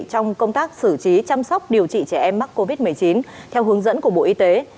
trong công tác xử trí chăm sóc điều trị trẻ em mắc covid một mươi chín theo hướng dẫn của bộ y tế